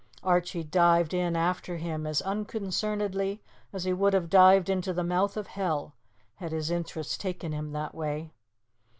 Archie dived in after him as unconcernedly as he would have dived into the mouth of hell, had his interests taken him that way.